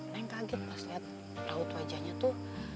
neng kaget pas liat laut wajahnya tuh